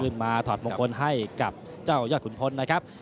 ถอดมงคลให้กับเจ้ายอดขุนพลนะครับ